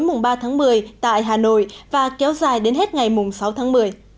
mùng ba tháng một mươi tại hà nội và kéo dài đến hết ngày mùng sáu tháng một mươi